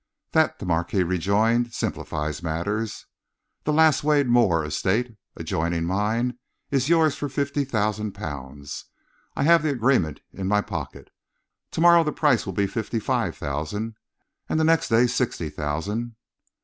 "That," the Marquis rejoined, "simplifies matters. The Lasswade Moor Estate, adjoining mine, is yours for fifty thousand pounds. I have the agreement in my pocket. To morrow the price will be fifty five thousand, and the next day sixty thousand."